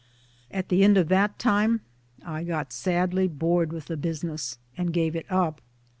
At the end of that time I got sadly bored with the business, and gave it up.